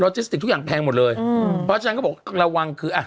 จิสติกทุกอย่างแพงหมดเลยอืมเพราะฉะนั้นเขาบอกระวังคืออ่ะ